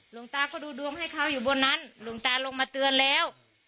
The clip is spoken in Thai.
หลวงตาก็ดูดวงให้เขาอยู่บนนั้นหลวงตาลงมาเตือนแล้ว